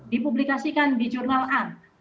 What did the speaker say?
dipublikasikan di jurnal a